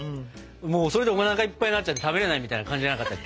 もうそれでおなかいっぱいになっちゃって食べれないみたいな感じじゃなかったっけ。